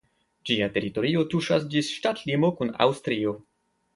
Ĝia teritorio tuŝas ĝis ŝtatlimo kun Aŭstrio.